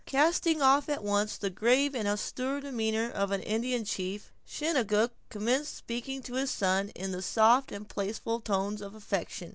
Casting off at once the grave and austere demeanor of an Indian chief, Chingachgook commenced speaking to his son in the soft and playful tones of affection.